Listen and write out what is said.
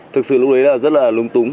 thực sự lúc đấy là rất là lúng túng